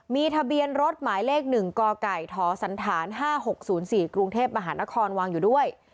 มีทะเบียนรถหมายเลขหนึ่งกไก่ทสันฐานห้าหกศูนย์สี่กรุงเทพมหานครวางอยู่ด้วย